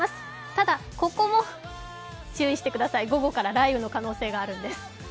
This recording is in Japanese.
ただここも注意してください、午後から雷雨の可能性があるんです。